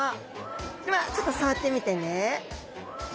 ではちょっと触ってみてね。